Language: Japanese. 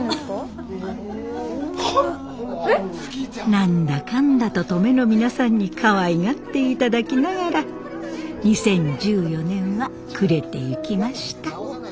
何だかんだと登米の皆さんにかわいがっていただきながら２０１４年は暮れてゆきました。